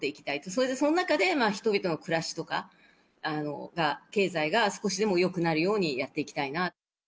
それでその中で、人々の暮らしとか経済が少しでもよくなるようにやっていきたいなと。